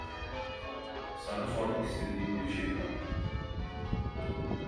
Sana sormak istediğim bir şey var.